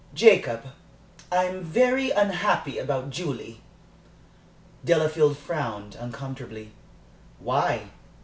"Jacob, I'm very unhappy about Julie." Delafield frowned uncomfortably. "Why?